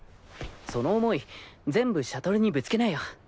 その想い全部シャトルにぶつけなよ。